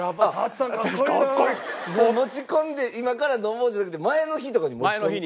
それ持ち込んで今から飲もうじゃなくて前の日とかに持ち込み。